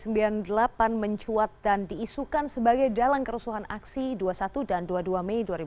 mencuat dan diisukan sebagai dalam keresuhan aksi dua puluh satu dan dua puluh dua mei dua ribu sembilan belas